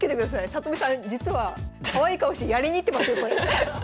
里見さん実はかわいい顔してやりにいってますよこれ。